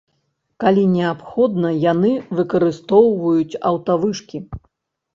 Калі неабходна, яны выкарыстоўваюць аўтавышкі.